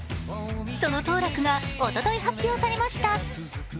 その当落がおととい発表されました。